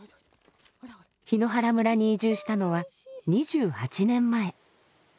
檜原村に移住したのは２８年前。